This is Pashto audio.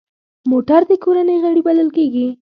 موټر د کورنۍ غړی بلل کېږي.